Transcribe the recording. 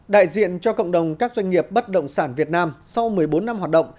đại diện cho cộng đồng các doanh nghiệp bất động sản việt nam sau một mươi bốn năm hoạt động